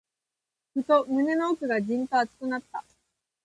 ふと、胸の奥がじんと熱くなった。